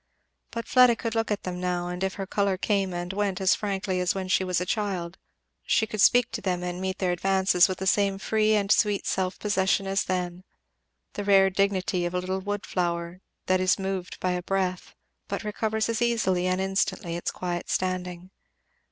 But Fleda could look at them now; and if her colour came and went as frankly as when she was a child, she could speak to them and meet their advances with the same free and sweet self possession as then; the rare dignity of a little wood flower, that is moved by a breath, but recovers as easily and instantly its quiet standing.